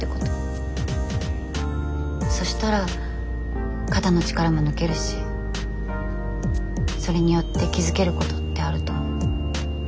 そしたら肩の力も抜けるしそれによって気付けることってあると思う。